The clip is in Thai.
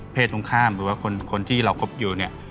เพศตรงข้ามต้องว่าคนที่เรากบอยู่เนี่ย